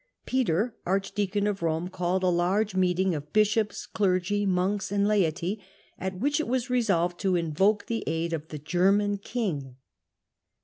Peter, archdeacon of Bome, called a large meeting of bishops, clergy, monks, and laity, at which it was resolved to invoke the aid of the German king.